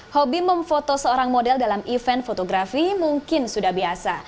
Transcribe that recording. hobi memfoto seorang model dalam event fotografi mungkin sudah biasa